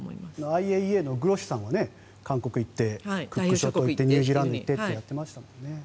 ＩＡＥＡのグロッシさんは韓国に行ってクック諸島に行ってニュージーランドに行ってってやってましたからね。